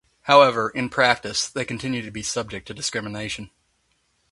However, in practice, they continued to be subject to discrimination.